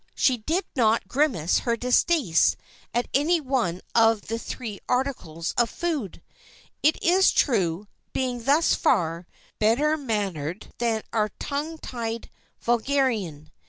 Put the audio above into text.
She did not grimace her distaste of any one of the three articles of food, it is true, being, thus far, better mannered than our titled vulgarian.